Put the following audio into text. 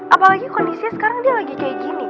apalagi kondisinya sekarang dia lagi kayak gini